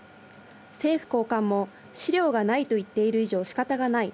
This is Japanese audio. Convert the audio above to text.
政府高官も、資料がないと言っている以上しかたがない。